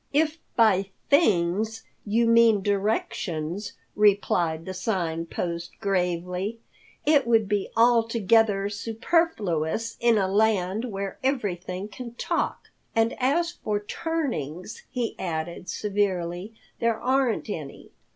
"If by things you mean directions," replied the Sign Post gravely, "it would be altogether superfluous in a land where everything can talk. And as for turnings," he added severely, "there aren't any.